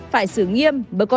phải xử nghiêm bởi cơ quan